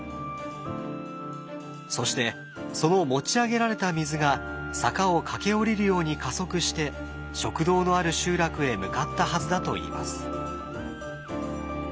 そしてその持ち上げられた水が坂を駆け下りるように加速して食堂のある集落へ向かったはずだといいます。